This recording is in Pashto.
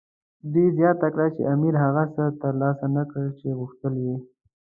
دوی زیاته کړه چې امیر هغه څه ترلاسه نه کړل چې غوښتل یې.